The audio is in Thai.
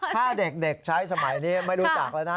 ถ้าเด็กใช้สมัยนี้ไม่รู้จักแล้วนะ